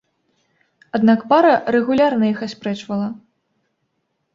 Аднак пара рэгулярна іх аспрэчвала.